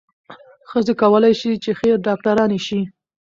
ښځې کولای شي چې ښې ډاکټرانې شي.